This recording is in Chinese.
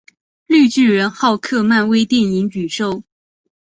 绿巨人浩克漫威电影宇宙